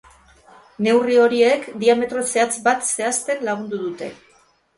Neurri horiek diametro zehatz bat zehazten lagundu dute.